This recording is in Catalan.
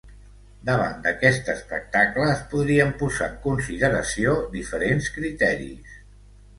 Davant d’aquest espectacle es podrien posar en consideració diferents criteris.